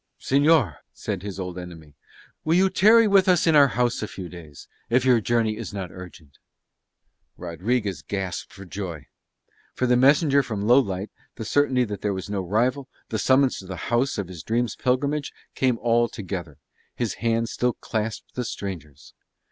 "Señor," said his old enemy, "will you tarry with us, in our house a few days, if your journey is not urgent?" Rodriguez gasped for joy; for the messenger from Lowlight, the certainty that here was no rival, the summons to the house of his dreams' pilgrimage, came all together: his hand still clasped the stranger's.